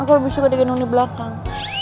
aku lebih suka di gendong di belakang